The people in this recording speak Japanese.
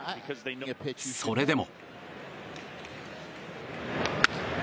それでも。